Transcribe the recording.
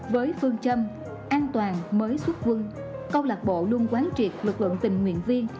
với phương châm an toàn mới xuất quân câu lạc bộ luôn quán triệt lực lượng tình nguyện viên